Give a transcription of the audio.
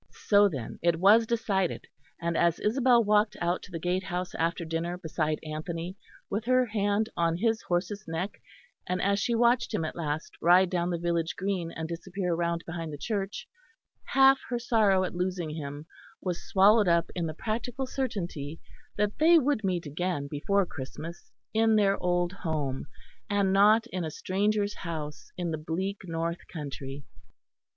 So then, it was decided; and as Isabel walked out to the gatehouse after dinner beside Anthony, with her hand on his horse's neck, and as she watched him at last ride down the village green and disappear round behind the church, half her sorrow at losing him was swallowed up in the practical certainty that they would meet again before Christmas in their old home, and not in a stranger's house in the bleak North country.